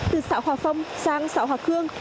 từ xã hòa phong sang xã hòa khương